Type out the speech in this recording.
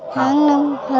hóa năm hợp